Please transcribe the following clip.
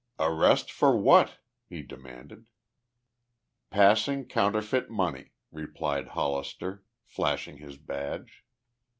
"Arrest for what?" he demanded. "Passing counterfeit money," replied Hollister, flashing his badge.